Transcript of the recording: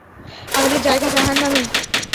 আমাদের জায়গা জাহান্নামেই।